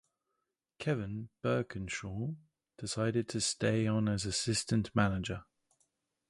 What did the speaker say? Kevin Bircumshaw decided to stay on as assistant manager.